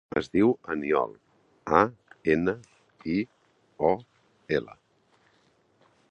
Es diu Aniol: a, ena, i, o, ela.